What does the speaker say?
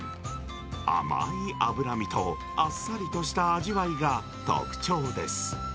甘い脂身と、あっさりとした味わいが特徴です。